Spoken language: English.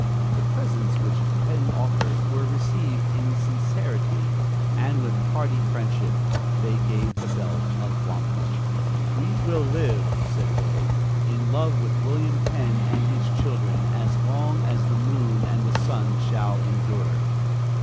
The presents which Penn offered were received in sincerity, and with hearty friendship they gave the belt of wampum. "We will live," said they, "in love with William Penn and his children, as long as the moon and the sun shall endure." Mr.